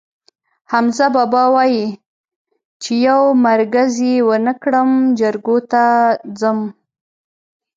حمزه بابا وایي: چې یو مرگز یې ونه کړم، جرګو ته ځم.